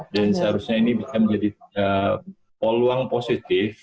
dan seharusnya ini menjadi peluang positif